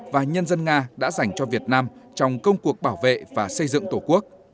và nhân dân nga đã dành cho việt nam trong công cuộc bảo vệ và xây dựng tổ quốc